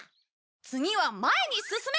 次は前に進め！